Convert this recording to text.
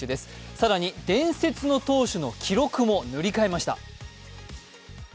更に伝説の投手の記録も塗り替えました。